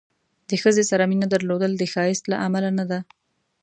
د ښځې سره مینه درلودل د ښایست له امله نه ده.